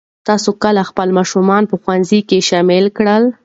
تاسو کله خپل ماشومان په ښوونځي کې شامل کړل؟